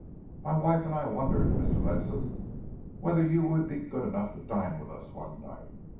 My wife and I wondered, Mr. Ledsam, whether you would be good enough to dine with us one night.